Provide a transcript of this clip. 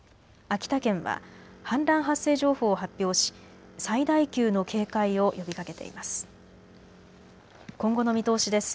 秋田県は氾濫発生情報を発表し最大級の警戒を呼びかけています。